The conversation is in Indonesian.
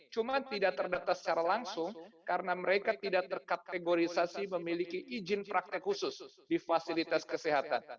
cuma tidak terdata secara langsung karena mereka tidak terkategorisasi memiliki izin praktek khusus di fasilitas kesehatan